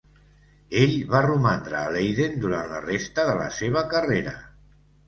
Ell va romandre a Leiden durant la resta de la seva carrera.